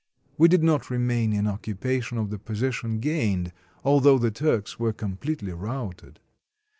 We did not remain in occupation of the position gained, although the Turks were completely routed.